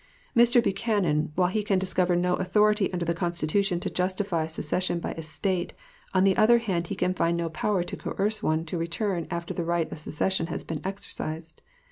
Mr. Buchanan, while he can discover no authority under the Constitution to justify secession by a State, on the other hand he can find no power to coerce one to return after the right of secession has been exercised.